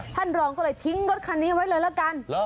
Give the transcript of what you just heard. ท่านรองก็เลยทิ้งรถคันนี้ไว้เลยละกัน